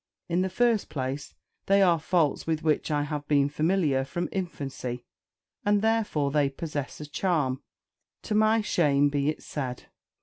In the first place, they are the faults with which I have been familiar from infancy; and therefore they possess a charm (to my shame be it said!)